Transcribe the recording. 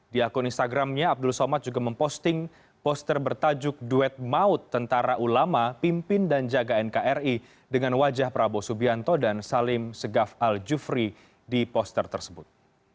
di akun instagramnya abdul somad juga memposting poster bertajuk duet maut tentara ulama pimpin dan jaga nkri dengan wajah prabowo subianto dan salim segaf al jufri di poster tersebut